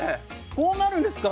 こうなるんですか？